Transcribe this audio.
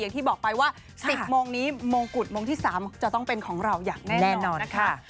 อย่างที่บอกไปว่า๑๐โมงนี้มงกุฎโมงที่๓จะต้องเป็นของเราอย่างแน่นอนนะคะ